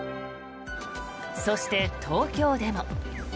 そして、東京でも。